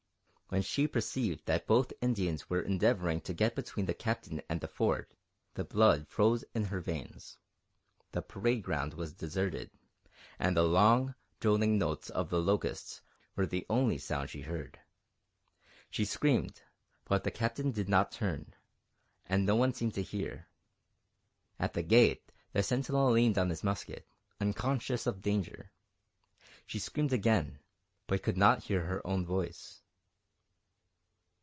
When she perceived that both Indians were endeavouring to get between the Captain and the Fort, the blood froze in her veins. The parade ground was deserted, and the long, droning notes of the locusts were the only sound she heard. She screamed, but the Captain did not turn, and no one seemed to hear. At the gate the sentinel leaned on his musket, unconscious of danger. She screamed again, but could not hear her own voice.